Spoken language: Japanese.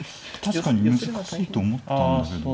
確かに難しいと思ったんだけど。